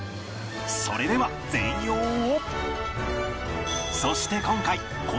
それでは全容を